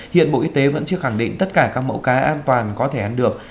hiện bộ y tế vẫn chưa khẳng định tất cả các mẫu cá an toàn có thể ăn được